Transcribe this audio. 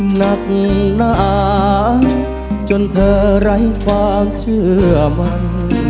หนักหนาจนเธอไร้ความเชื่อมัน